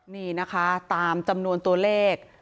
นี่นะคะตามจำนวนตัวเลข